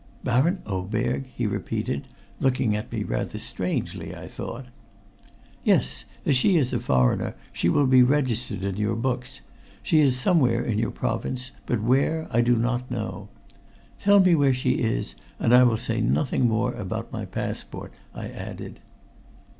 "Baron Oberg!" he repeated, looking at me rather strangely, I thought. "Yes, as she is a foreigner she will be registered in your books. She is somewhere in your province, but where I do not know. Tell me where she is, and I will say nothing more about my passport," I added.